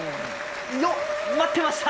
よっ待ってました！